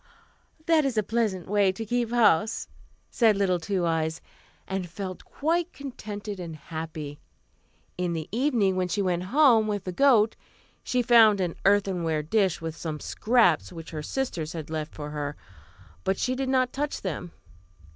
"That is a pleasant way to keep house," said little Two Eyes, and felt quite contented and happy. In the evening, when she went home with the goat, she found an earthenware dish with some scraps which her sisters had left for her, but she did not touch them.